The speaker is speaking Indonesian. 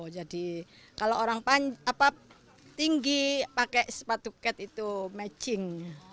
jadi kalau orang tinggi pakai sepatu ket itu matching